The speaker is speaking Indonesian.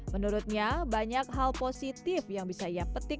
menurutnya banyak hal positif yang bisa ia petik